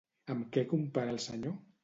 Amb què compara el senyor?